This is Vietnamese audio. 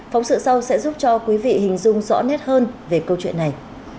phóng sự sau sẽ giúp cho quý vị hình dung rõ nét hơn về câu chuyện này